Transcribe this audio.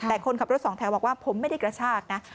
แต่คนขับรถสองแถวบอกว่าผมไม่ได้กระชากนะ